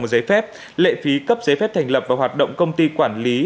giấy phép lệ phí cấp giấy phép thành lập và hoạt động công ty quản lý